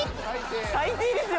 最低ですよ！